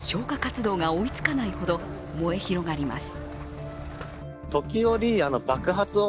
消火活動が追いつかないほど燃え広がります。